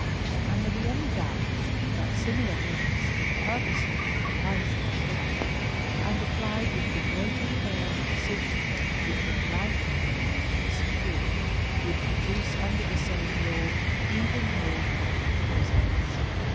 Can there be any doubt that similar means, if purposely and wisely adopted, and applied with the greater care and precision which enlightened intention secure, would produce under the same law even more perfect results.